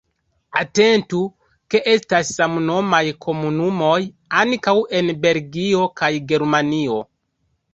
Atentu, ke estas samnomaj komunumoj ankaŭ en Belgio kaj Germanio.